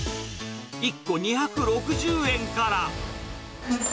１個２６０円から。